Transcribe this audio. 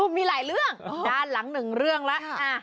มีหลายเรื่องด้านหลังหนึ่งเรื่องแล้ว